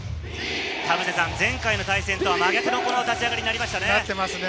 前回の対戦とは真逆な立ち上がりになりましたね。